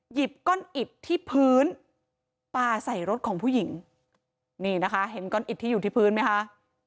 หยิบก้อนอิดที่พื้นปลาใส่รถของผู้หญิงนี่นะคะเห็นก้อนอิดที่อยู่ที่พื้นไหมคะ